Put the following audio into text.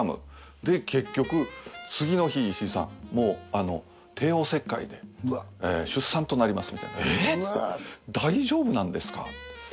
で結局次の日石井さんもう帝王切開で出産となりますみたいな。えっ！？って言って大丈夫なんですか？